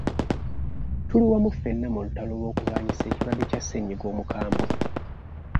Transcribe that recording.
Tuli wamu ffenna mu lutalo lw'okulwanyisa ekirwadde kya ssennyiga omukambwe.